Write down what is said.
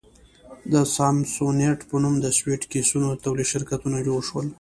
د سامسونیټ په نوم د سویټ کېسونو د تولید شرکتونه جوړ شول.